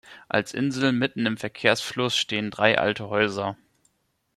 Als Insel mitten im Verkehrsfluss stehen drei alte Häuser.